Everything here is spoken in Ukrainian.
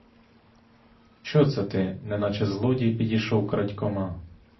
Що це ти, неначе злодій, підійшов крадькома!